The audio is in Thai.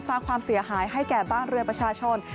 สร้างความเสียหายให้แก่บ้านเรือประชาชน